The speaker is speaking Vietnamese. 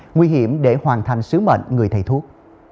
nguy hiểm để hoàn thành sứ mệnh người thầy thuốc